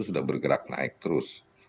sudah bergerak naik terus